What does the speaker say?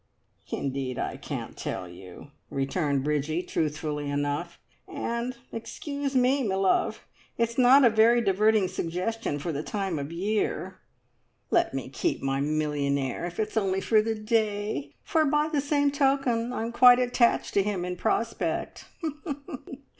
"Indeed, I can't tell you!" returned Bridgie, truthfully enough. "And excuse me, me love, it's not a very diverting suggestion for the time of year! Let me keep my millionaire, if it's only for the day, for by the same token I'm quite attached to him in prospect!